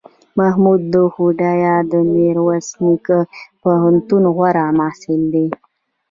محمود هوډیال دمیرویس نیکه پوهنتون غوره محصل دی